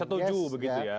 setuju begitu ya